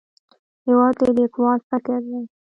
هېواد د لیکوال فکر دی.